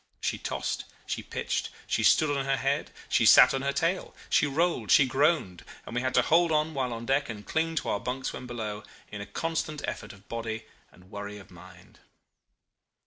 She tossed, she pitched, she stood on her head, she sat on her tail, she rolled, she groaned, and we had to hold on while on deck and cling to our bunks when below, in a constant effort of body and worry of mind.